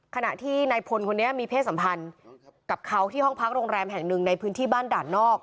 ขณะที่นายพลคนนี้มีเพศสัมพันธ์กับเขาที่ห้องพักโรงแรมแห่งหนึ่งในพื้นที่บ้านด่านนอก